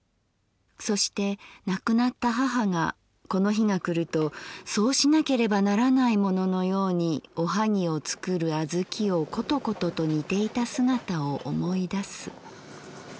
そして亡くなった母がこの日が来るとそうしなければならないもののように『おはぎ』をつくる小豆をコトコトと煮ていた姿をおもい出す。